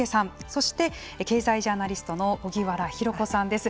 そして経済ジャーナリストの荻原博子さんです。